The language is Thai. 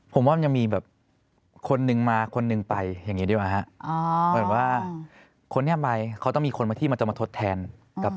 ผมว่ามันยังมีแบบคนหนึ่งมาคนหนึ่งไปอย่างนี้ดีกว่าครับ